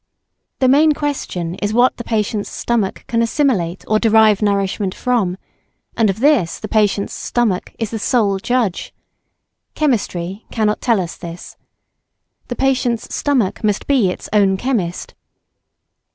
The main question is what the patient's stomach can assimilate or derive nourishment from, and of this the patient's stomach is the sole judge. Chemistry cannot tell this. The patient's stomach must be its own chemist.